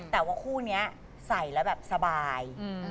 แต่ว่าคู่นี้ใส่แล้วแบบสบาย